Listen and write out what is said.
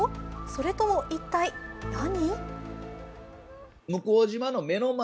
それとも一体何？